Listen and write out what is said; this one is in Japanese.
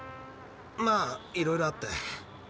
まあいろいろあって。